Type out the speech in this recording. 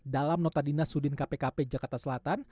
dalam nota dinas sudin kpkp jakarta selatan